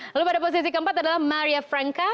lalu pada posisi keempat adalah maria franka